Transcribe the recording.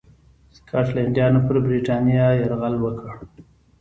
سکاټلنډیانو پر برېټانیا یرغل وکړ.